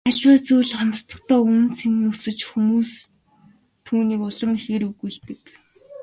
Аливаа зүйл хомсдохдоо үнэ цэн нь өсөж хүмүүс түүнийг улам ихээр үгүйлдэг.